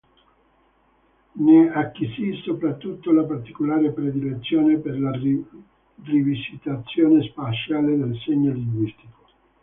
Ne acquisì soprattutto la particolare predilezione per la rivisitazione spaziale del segno linguistico.